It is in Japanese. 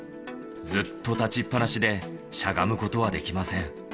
ずっと立ちっぱなしで、しゃがむことはできません。